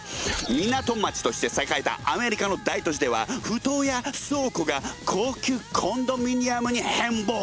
港町として栄えたアメリカの大都市では埠頭や倉庫が高級コンドミニアムに変貌。